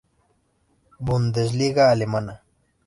Bundesliga Alemana.